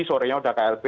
sorenya udah klb